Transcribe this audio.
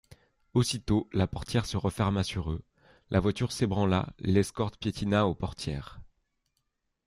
Aussitôt la portière se referma sur eux ; la voiture s'ébranla, l'escorte piétina aux portières.